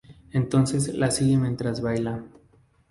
Entonces la sigue mientras baila.